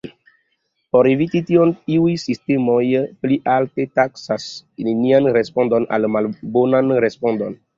Por eviti tion, iuj sistemoj pli alte taksas nenian respondon ol malbonan respondon.